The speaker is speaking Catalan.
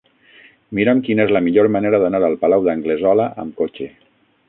Mira'm quina és la millor manera d'anar al Palau d'Anglesola amb cotxe.